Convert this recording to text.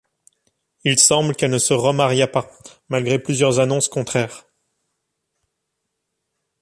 Il semble qu’elle ne se remaria pas, malgré plusieurs annonces contraires.